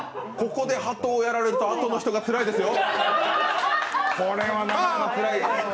ここでハトやられるとあとの人がつらいですよ。